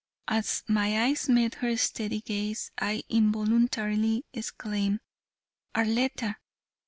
As my eyes met her steady gaze I involuntarily exclaimed, "Arletta!"